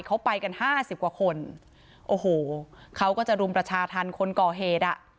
เขาไปกันห้าสิบกว่าคนโอ้โหเขาก็จะรุมประชาธรรมคนก่อเหตุอ่ะ